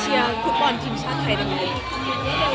เชียร์ฟุตบอลทีมชาติไทยในมือ